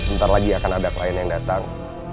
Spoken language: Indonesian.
bentar lagi akan ada klien yang datang